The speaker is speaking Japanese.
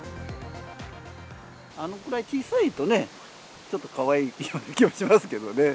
あのくらい小さいとね、ちょっとかわいい気もしますけれどもね。